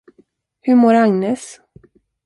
Hur mår Agnes?